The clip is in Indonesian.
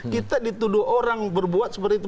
kita dituduh orang berbuat seperti itu